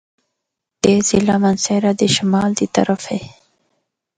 تے ضلع مانسہرہ دے شمال دی طرف اے۔